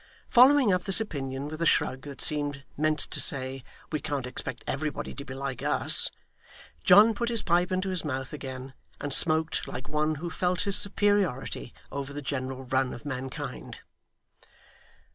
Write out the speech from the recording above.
Following up this opinion with a shrug that seemed meant to say, 'we can't expect everybody to be like us,' John put his pipe into his mouth again, and smoked like one who felt his superiority over the general run of mankind.